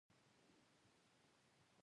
ما یې ښکل کړم، ویې ویل: ته ډېر بې عقل هلک یې.